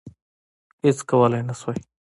هیڅ کولای نه سوای.